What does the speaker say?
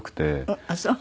ああそう？